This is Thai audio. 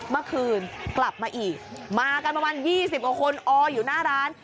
เมื่อคืนกลับมาอีกมากันประมาณ๒๐กว่าคนอออยู่หน้าร้าน